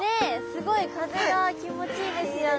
すごい風が気持ちいいですよね。